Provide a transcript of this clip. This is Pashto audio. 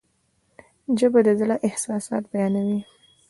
ژبه د زړه احساسات بیانوي.